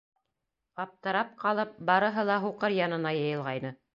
Аптырап ҡалып, барыһы ла һуҡыр янына йыйылғайны.